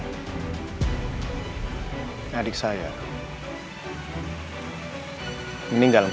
saya berpikir bahwa kill ini nyaman